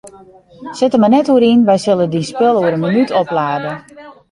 Sit der mar net oer yn, wy sille dyn spul oer in minút oplade.